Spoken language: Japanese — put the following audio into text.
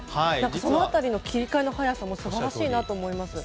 その辺りの切り替えの早さも素晴らしいなと思います。